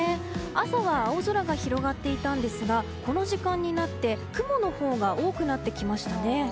朝は青空が広がっていたんですがこの時間になって雲のほうが多くなってきましたね。